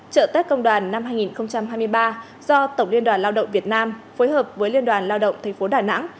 trợ tết công đoàn năm hai nghìn hai mươi ba do tổng liên đoàn lao động việt nam phối hợp với liên đoàn lao động tp đà nẵng